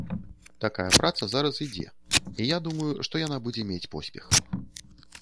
Такая праца зараз ідзе, і я думаю, што яна будзе мець поспех.